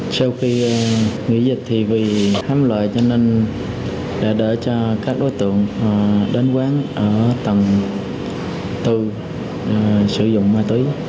sau khi nghỉ dịch thì vì hám lợi cho nên đã đỡ cho các đối tượng đến quán ở tầng bốn sử dụng ma túy